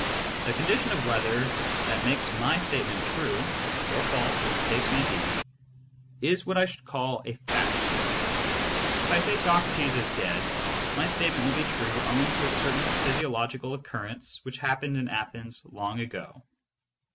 The condition of weather that makes my statement true (or false as the case may be), is what I should call a "fact." If I say "Socrates is dead," my statement will be true owing to a certain physiological oc currence which happened in Athens long ago.